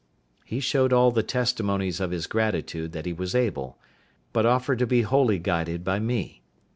He showed all the testimonies of his gratitude that he was able, but offered to be wholly guided by me.